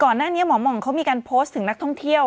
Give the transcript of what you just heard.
ก่อนหน้านี้หมอหม่องเขามีการโพสต์ถึงนักท่องเที่ยว